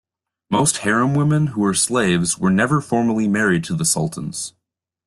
Most harem women who were slaves were never formally married to the sultans.